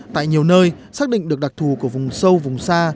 tại nhiều nơi xác định được đặc thù của vùng sâu vùng xa